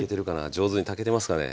上手に炊けてますかね？